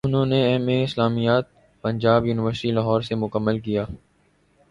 انہوں نے M A اسلامیات پنجاب یونیورسٹی لاہور سے مکمل کیا